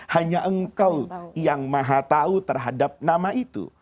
hanya engkau yang mahatahu terhadap nama itu